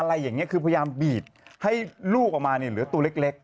อะไรอย่างนี้คือพยายามบีบให้ลูกออกมาเนี่ยเหลือตัวเล็ก